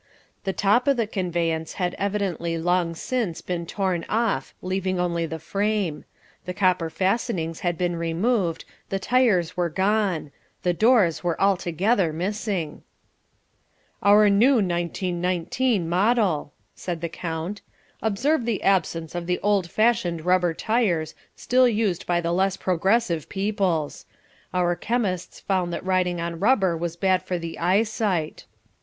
The top of the conveyance had evidently long since been torn off leaving, only the frame: the copper fastenings had been removed: the tires were gone: the doors were altogether missing. "Our new 1919 model," said the count. "Observe the absence of the old fashioned rubber tires, still used by the less progressive peoples. Our chemists found that riding on rubber was bad for the eye sight.